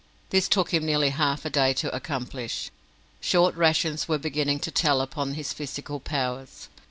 This took him nearly half a day to accomplish. Short rations were beginning to tell upon his physical powers.